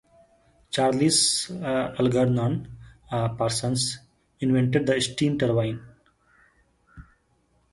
Charles Algernon Parsons: Invented the steam turbine.